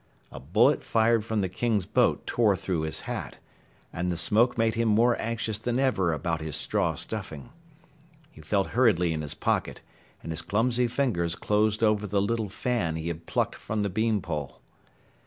A bullet fired from the king's boat tore through his hat, and the smoke made him more anxious than ever about his straw stuffing. He felt hurriedly in his pocket, and his clumsy fingers closed over the little fan he had plucked from the bean pole.